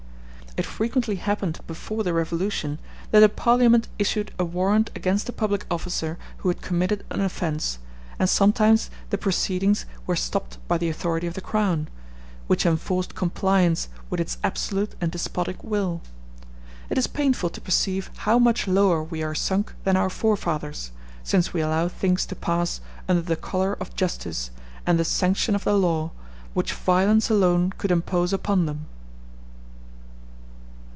It frequently happened before the Revolution that a Parliament issued a warrant against a public officer who had committed an offence, and sometimes the proceedings were stopped by the authority of the Crown, which enforced compliance with its absolute and despotic will. It is painful to perceive how much lower we are sunk than our forefathers, since we allow things to pass under the color of justice and the sanction of the law which violence alone could impose upon them.